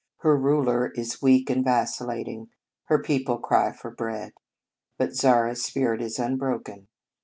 Her ruler is weak and vacillating. Her people cry for bread. But Zara s spirit is unbroken.